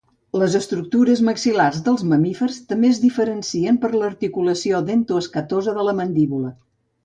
Les estructures maxil·lars dels mamífers també es diferencien per l'articulació dento-escatosa de la mandíbula.